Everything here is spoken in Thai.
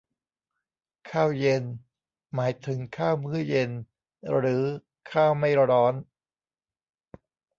ข้าวเย็น หมายถึงข้าวมื้อเย็น หรือข้าวไม่ร้อน